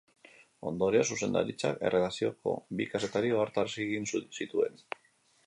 Ondorioz, zuzendaritzak erredakzioko bi kazetari ohartarazi egin zituen.